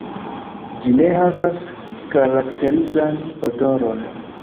Ĝi ne havas karakterizan odoron.